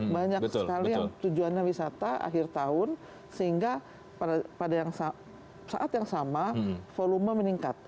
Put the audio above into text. banyak sekali yang tujuannya wisata akhir tahun sehingga pada saat yang sama volume meningkat